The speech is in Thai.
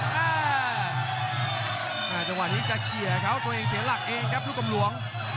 จังหวะนี้จะเขียเขาตัวเองเสียหลักเองครับลูกกำหลวง